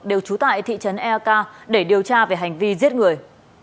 đều trú tại thị trấn eak để điều tra về hành vi giết người